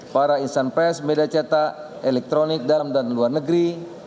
para insan pres mediaceta elektronik dalam dan luar negeri